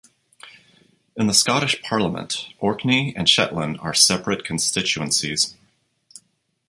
In the Scottish Parliament, Orkney and Shetland are separate constituencies.